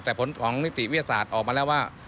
แต่ผลของนิติวิทยาศาสตร์ออกมาแล้วว่า